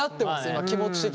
今気持ち的に。